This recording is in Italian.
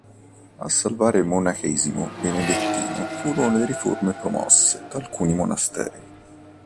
A salvare il monachesimo benedettino furono le riforme promosse da alcuni monasteri.